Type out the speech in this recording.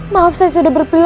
maaf saya sudah berpilih